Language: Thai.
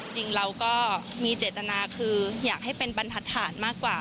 จริงเราก็มีเจตนาคืออยากให้เป็นบรรทัดฐานมากกว่า